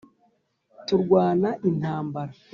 turwana intambara